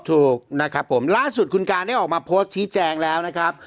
ถูกนะครับผมล่าสุดคุณการได้ออกมาโพสต์ชี้แจงแล้วนะครับ